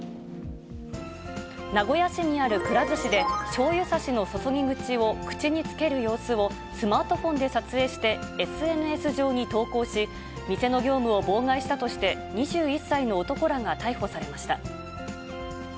名古屋市にあるくら寿司で、しょうゆさしの注ぎ口を口につける様子を、スマートフォンで撮影してＳＮＳ上に投稿し、店の業務を妨害したとして、２１歳の男らが逮捕されました。